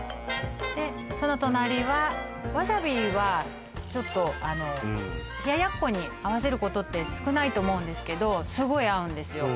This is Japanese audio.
その隣はわさびはちょっと冷奴に合わせることって少ないと思うんですけどすごい合うんですよ